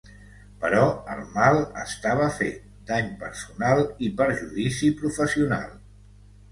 Però el mal estava fet: dany personal i perjudici professional.